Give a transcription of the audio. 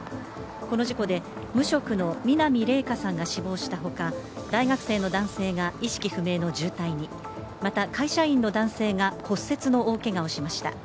この事故で無職の南怜華さんが死亡したほか大学生の男性が意識不明の重体に、また会社員の男性が骨折の大けがをしました。